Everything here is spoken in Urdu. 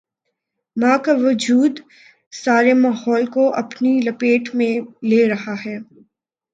ماں کا وجودسارے ماحول کو اپنی لپیٹ میں لے رہا ہے۔